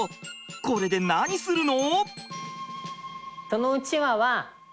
これで何するの！？